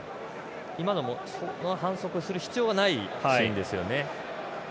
今のも反則する必要がないシーンですよね。